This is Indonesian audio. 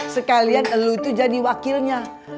sekalian lu itu jadi wakilnya